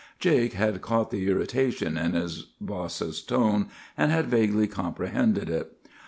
"Jake had caught the irritation in the boss's tone, and had vaguely comprehended it.